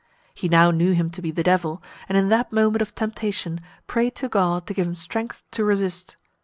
He now knew him to be the Devil, and in that moment of temptation, prayed to God to give him strength to resist.